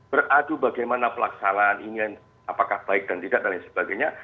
beradu bagaimana pelaksanaan ini apakah baik dan tidak dan lain sebagainya